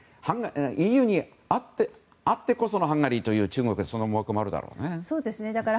ＥＵにあってこそのハンガリーという中国の思惑もあるかと。